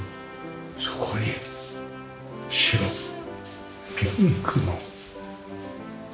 そこに白ピンクの山桜。